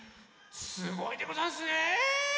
すごいでござんすねえ！